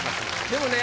でもね